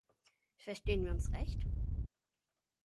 Verstehen wir uns recht.